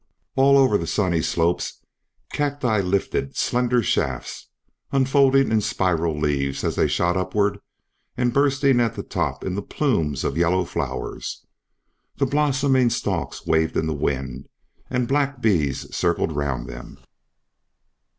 All over the sunny slopes cacti lifted slender shafts, unfolding in spiral leaves as they shot upward and bursting at the top into plumes of yellow flowers. The blossoming stalks waved in the wind, and black bees circled round them.